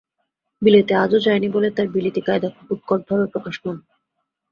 বিলেতে আজও যায় নি বলে তার বিলিতি কায়দা খুব উৎকটভাবে প্রকাশমান।